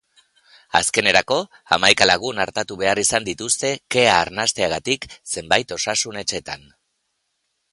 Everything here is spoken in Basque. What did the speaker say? Azkenerako, hamaika lagun artatu behar izan dituzte kea arnasteagatik zenbait osasun etxetan.